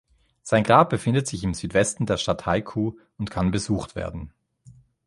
Sein Grab befindet sich im Südwesten der Stadt Haikou und kann besucht werden.